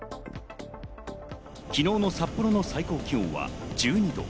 昨日の札幌の最高気温は１２度。